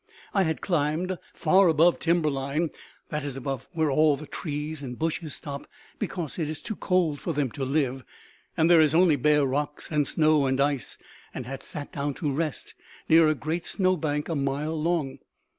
I had climbed far above timber line, that is, above where all the trees and bushes stop because it is too cold for them to live, and there is only bare rocks and snow and ice, and had sat down to rest near a great snowbank a mile long.